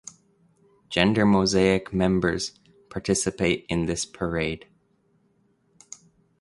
Gender Mosaic members participate in this parade.